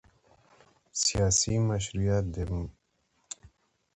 سیاسي مشارکت د مشروعیت د پیاوړتیا لامل ګرځي